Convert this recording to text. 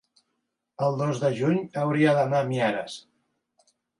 el dos de juny hauria d'anar a Mieres.